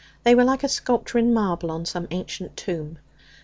They were like a sculpture in marble on some ancient tomb.